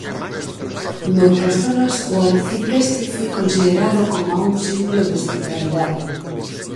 Noutras zonas o alcipreste foi considerado coma un símbolo de hospitalidade.